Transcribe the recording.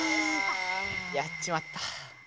やっちまった。